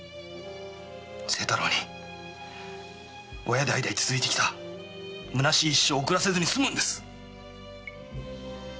清太郎に親代々続いてきた虚しい一生を送らせずにすむんです！